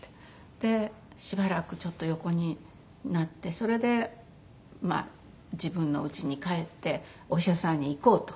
でしばらくちょっと横になってそれで自分の家に帰ってお医者さんに行こうと。